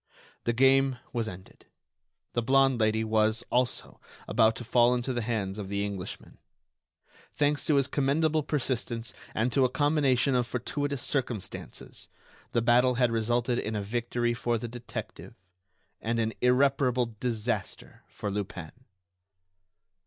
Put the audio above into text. The game was ended. The blonde Lady was, also, about to fall into the hands of the Englishman. Thanks to his commendable persistence and to a combination of fortuitous circumstances, the battle had resulted in a victory for the detective, and in irreparable disaster for Lupin.